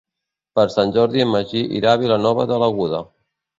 Per Sant Jordi en Magí irà a Vilanova de l'Aguda.